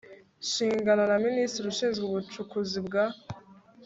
nshingano na minisitiri ushinzwe ubucukuzi bwa